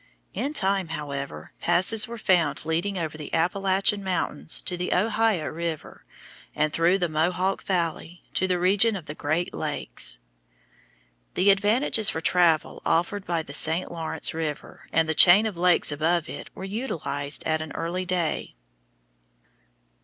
In time, however, passes were found leading over the Appalachian Mountains to the Ohio River and through the Mohawk Valley to the region of the Great Lakes. The advantages for travel offered by the St. Lawrence River and the chain of lakes above it were utilized at an early day.